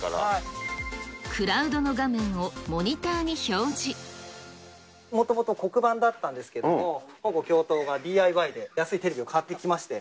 クラウドの画面をモニターにもともと黒板だったんですけれども、ほぼ教頭がＤＩＹで、安いテレビを買ってきまして。